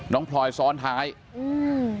น้องพลอยซ้อนท้ายอืม